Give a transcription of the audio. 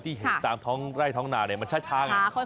ที่เห็นตามท้องไร่ท้องหนาเนี่ยมันช้าอย่างนั้น